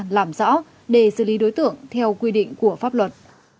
làm rõ để xử lý đối tượng theo quy định của pháp luật